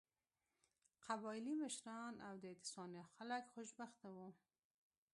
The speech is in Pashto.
قبایلي مشران او د تسوانا خلک خوشبخته وو.